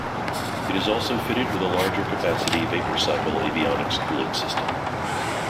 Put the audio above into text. It is also fitted with a larger capacity vapor cycle avionics cooling system.